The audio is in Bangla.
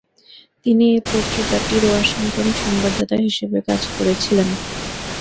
তিনি এ পত্রিকাটির ওয়াশিংটন সংবাদদাতা হিসাবে কাজ করেছিলেন।